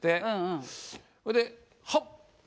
ほれではっ！